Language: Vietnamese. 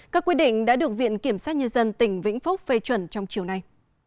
các quyết định đã được viện kiểm sát nhân dân tỉnh vĩnh phúc phê chuẩn trong chiều nay